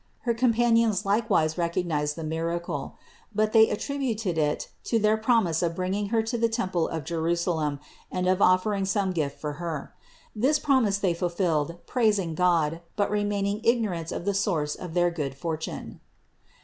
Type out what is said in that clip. Her companions likewise recognized the miracle; but they attributed it to their promise of bringing her to the temple of Jerusalem and of offering some gift for her. This promise they fulfilled, praising God, but remaining ignorant of the source of their good fortune.